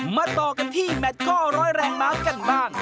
แมทก็อดรอยแรงม้ากันบ้าง